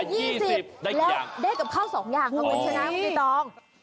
และได้กับข้าว๒อย่างเพราะว่าเชิญนะพี่ต้อง